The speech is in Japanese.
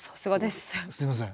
すいません。